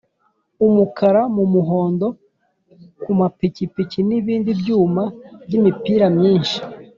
umukara mu muhondo ku mapikipiki n’ibindi byuma by’ imipira myinshi